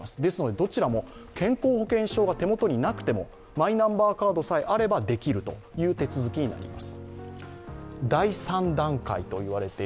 どちらも健康保険証が手元になくてもマイナンバーカードさえ手元にあればできるという手続きになります。